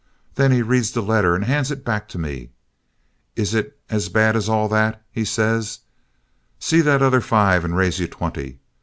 Then he reads the letter and hands it back to me. 'Is it as bad as all that?' he says. 'See that other five and raise you twenty.'